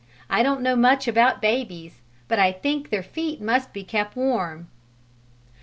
I don't know much about babies but I think their feet must be kept warm."